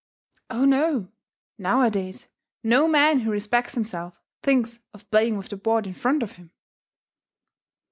"Oh, no! Now a days, no man who respects himself, thinks of playing with the board in front of him."